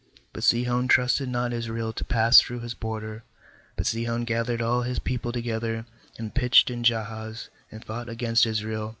20But Sihon trusted not Israel to pass through his border; but Sihon gathered all his people together, and pitched in Jahaz, and fought against Israel.